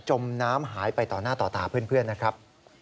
มน้ำหายไปต่อหน้าต่อตาเพื่อนนะครับ